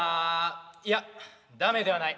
いや駄目ではない。